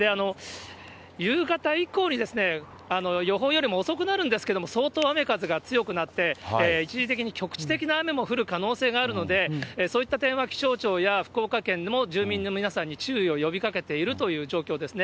夕方以降に予報よりも遅くなるんですけれども、相当雨風が強くなって、一時的に局地的な雨も降る可能性があるので、そういった点は気象庁や福岡県も住民の皆さんに注意を呼びかけているという状況ですね。